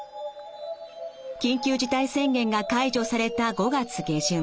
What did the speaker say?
緊急事態宣言が解除された５月下旬。